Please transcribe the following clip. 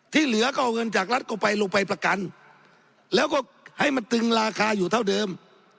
ที่เหลือก็เอาเงินจากรัฐเข้าไปลงไปประกันแล้วก็ให้มันตึงราคาอยู่เท่าเดิม